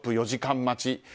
４時間待ち。